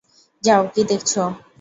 যাও, কী দেখছ?